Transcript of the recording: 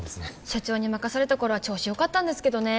社長に任された頃は調子よかったんですけどね